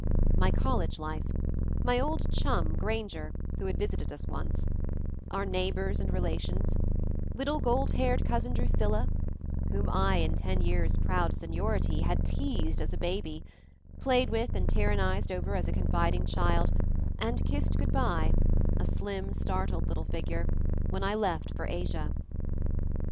My college life; my old chum, Granger, who had visited us once; our neighbors and relations ; little gold haired Cousin Drusilla, whom I, in ten years proud seniority, had teased as a baby, played with and tyrannized over as a confiding child, and kissed good bye — a slim, startled little figure — when I left for Asia.